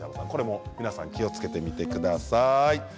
皆さん気をつけてください。